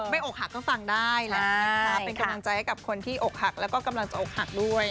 ไม่อกหักก็ฟังได้แหละ